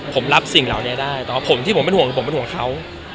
ผมรับสิ่งเหล่านี้ได้แต่ว่าผมที่ผมเป็นห่วงคือผมเป็นห่วงเขา